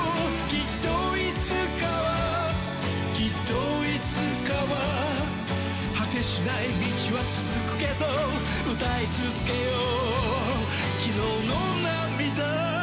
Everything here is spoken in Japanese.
きっといつかはきっといつかは果てしない道は続くけど歌い続けよう